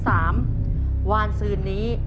ตัวเลือดที่๓๕๑